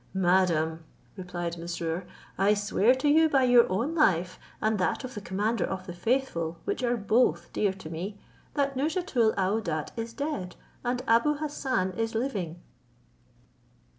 "Madam," replied Mesrour, "I swear to you by your own life, and that of the commander of the faithful, which are both dear to me, that Nouzhatoul aouadat is dead, and Abou Hassan is living."